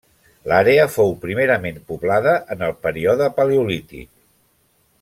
L'àrea fou primerament poblada en el període paleolític.